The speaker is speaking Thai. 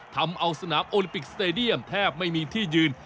ทำเอาสนามโอลิมปิกสเตดียมแทบไม่มีที่ยืน